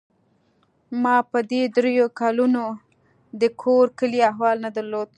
ما په دې درېو کلونو د کور کلي احوال نه درلود.